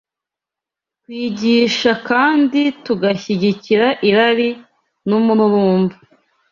twigisha kandi tugashyigikira irari n’umururumba